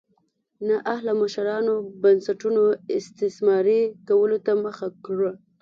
نااهله مشرانو بنسټونو استثماري کولو ته مخه کړه.